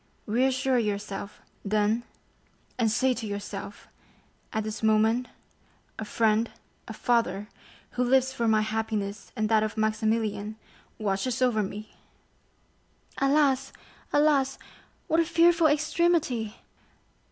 Reassure yourself, then, and say to yourself: 'At this moment, a friend, a father, who lives for my happiness and that of Maximilian, watches over me!'" "Alas, alas, what a fearful extremity!"